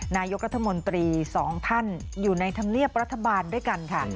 นายกรัฐมนตรีสองท่านอยู่ในธรรมเนียบรัฐบาลด้วยกันค่ะ